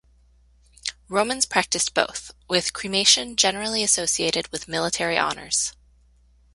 Romans practiced both, with cremation generally associated with military honors.